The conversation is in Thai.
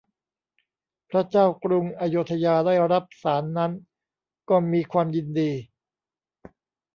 พระเจ้ากรุงอโยธยาได้รับสาสน์นั้นก็มีความยินดี